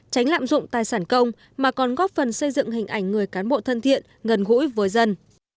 tránh lạm dụng tài sản công mà còn góp phần xây dựng hình ảnh người cán bộ thân thiện gần gũi với dân